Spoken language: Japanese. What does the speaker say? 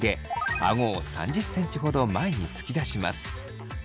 あごを３０ｃｍほど前に突き出します。